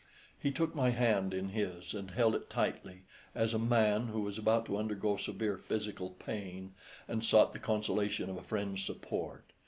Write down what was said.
He took my hand in his and held it tightly, as a man who was about to undergo severe physical pain and sought the consolation of a friend's support.